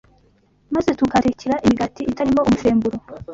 maze tukahatekera imigati itarimo umusemburo,